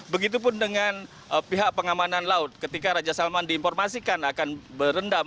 begitupun dengan pihak pengamanan laut ketika raja salman diinformasikan akan berendam